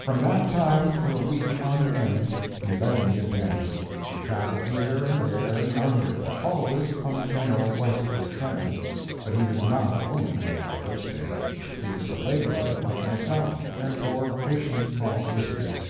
From that time for a week on end he led me a dance. He travelled here and there and yonder always on a general westward trend but he was not a woman after the first day. He was a laborer, like myself, and wore bushy false whiskers.